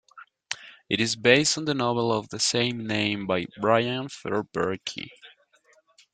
It is based on the novel of the same name by Brian Fair Berkey.